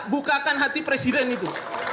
bukakan hati presiden itu